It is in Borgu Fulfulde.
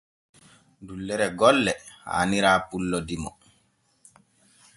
Dullere golle haanira pullo dimo.